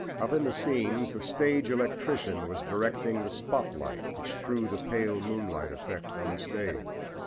Up in the scenes a stage electrician was directing the "spot light" which threw the pale moonlight effect on the stage.